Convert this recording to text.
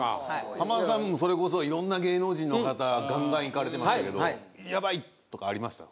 浜田さんもそれこそいろんな芸能人の方ガンガンいかれてましたけどやばい！とかありました？